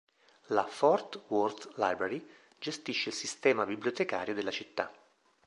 La Fort Worth Library gestisce il sistema bibliotecario della città.